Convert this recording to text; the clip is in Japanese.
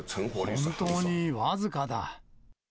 本当に僅かだ。